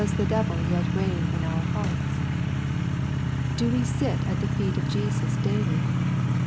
271 she devil yet reign in our hearts ? Do 'we sit at the feet of Jesus daily